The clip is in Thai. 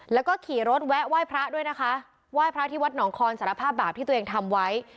แล้วก็ขี่รถแวะไหว้พระด้วยนะคะไหว้พระที่วัดหนองคอนสารภาพบาปที่ตัวเองทำไว้